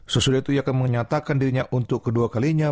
sesudah itu ia akan menyatakan dirinya untuk kedua kalinya